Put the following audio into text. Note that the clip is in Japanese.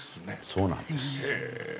そうなんです。